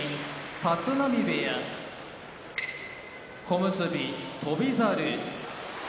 立浪部屋小結・翔猿